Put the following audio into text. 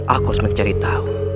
aku harus mencari tahu